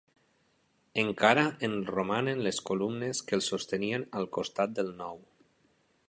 Encara en romanen les columnes que el sostenien al costat del nou.